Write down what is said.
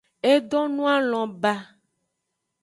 E donoalon ba.